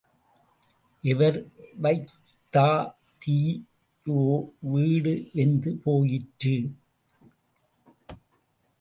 எவர் வைத்த தீயோ, வீடு வெந்து போயிற்று.